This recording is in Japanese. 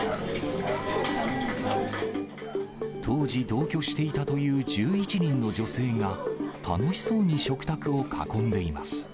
当時、同居していたという１１人の女性が、楽しそうに食卓を囲んでいます。